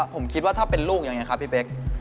ผมคิดว่าถ้าเป็นลูกอย่างนี้ครับพี่เบ๊ก